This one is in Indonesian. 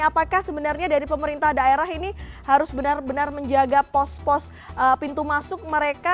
apakah sebenarnya dari pemerintah daerah ini harus benar benar menjaga pos pos pintu masuk mereka